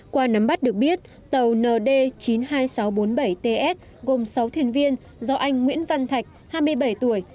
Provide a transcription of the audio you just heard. qua nắm bắt được biết tàu nd chín mươi hai nghìn sáu trăm bốn mươi bảy ts gồm sáu thuyền viên do anh nguyễn văn thạch hai mươi bảy tuổi